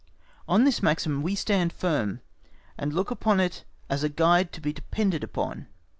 On this maxim we stand firm, and look upon it as a guide to be depended upon.